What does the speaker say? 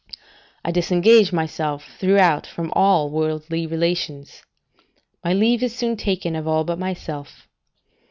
I disengage myself throughout from all worldly relations; my leave is soon taken of all but myself.